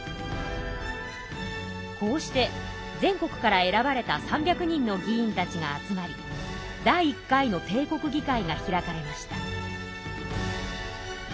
こうして全国から選ばれた３００人の議員たちが集まり第１回の帝国議会が開かれました。